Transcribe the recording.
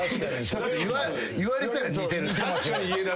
言われたら似てる。